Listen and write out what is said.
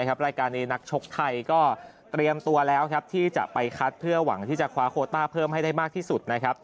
รายการนี้นักชกไทยก็เตรียมตัวแล้วที่จะไปคัดเพื่อหวังที่จะคว้าโคต้าเพิ่มให้ได้มากที่สุดนะครับ